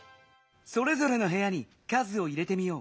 それぞれのへやに数を入れてみよう。